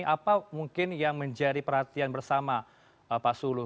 apa mungkin yang menjadi perhatian bersama pak sulu